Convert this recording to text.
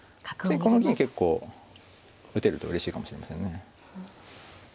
次この銀結構打てるとうれしいかもしれませんね。